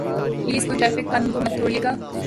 please کوئی traffic قانون کو مت توڑئے گا